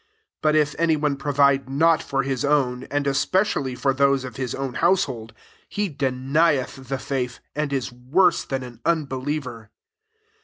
8 But if any one provide not for his own, and especially for those of his own household, he denieth the faith) and is worse than an unbe liever.